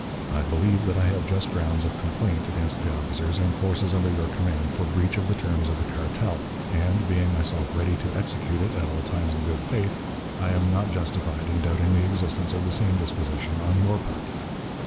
I believe that I have just grounds of complaint against the officers and forces under your command for breach of the terms of the cartel, and, being myself ready to execute it at all times in good faith, I am not justified in doubting the existence of the same disposition on your part.